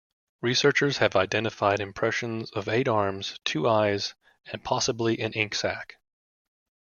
Researchers have identified impressions of eight arms, two eyes, and possibly an ink sac.